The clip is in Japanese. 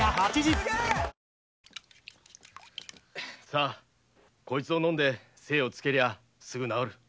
さこれを飲んで精をつけりゃすぐ治る。